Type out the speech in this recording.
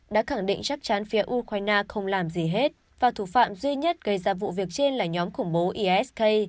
đã khẳng định chắc chắn phía ukraine không làm gì hết và thủ phạm duy nhất gây ra vụ việc trên là nhóm khủng bố esk